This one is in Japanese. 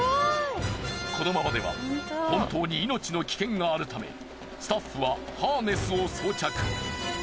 このままでは本当に命の危険があるためスタッフはハーネスを装着。